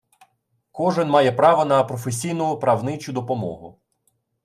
Кожен має право на професійну правничу допомогу